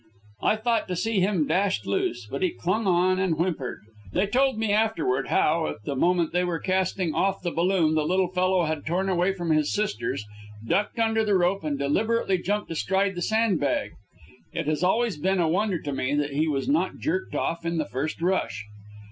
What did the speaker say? I thought to see him dashed loose, but he clung on and whimpered. They told me afterward, how, at the moment they were casting off the balloon, the little fellow had torn away from his sisters, ducked under the rope, and deliberately jumped astride the sandbag. It has always been a wonder to me that he was not jerked off in the first rush.